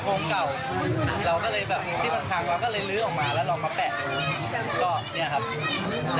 ก็เนี่ยครับได้ผล